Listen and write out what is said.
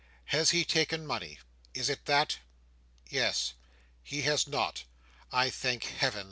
Has he taken money? Is it that?" "Yes." "He has not." "I thank Heaven!"